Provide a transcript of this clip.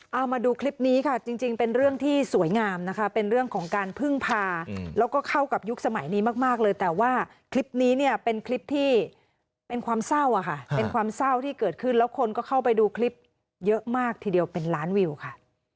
เอามาดูคลิปนี้ค่ะจริงเป็นเรื่องที่สวยงามนะคะเป็นเรื่องของการพึ่งพาแล้วก็เข้ากับยุคสมัยนี้มากเลยแต่ว่าคลิปนี้เนี่ยเป็นคลิปที่เป็นความเศร้าค่ะเป็นความเศร้าที่เกิดขึ้นแล้วคนก็เข้าไปดูคลิปเยอะมากทีเดียวเป็นล้านวิวค่ะ